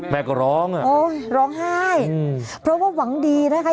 แม่ก็ร้องอ่ะโอ้ยร้องไห้เพราะว่าหวังดีนะคะ